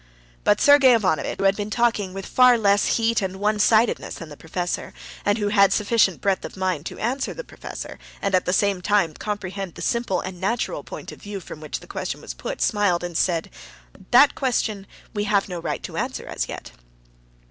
But Sergey Ivanovitch, who had been talking with far less heat and one sidedness than the professor, and who had sufficient breadth of mind to answer the professor, and at the same time to comprehend the simple and natural point of view from which the question was put, smiled and said: "That question we have no right to answer as yet."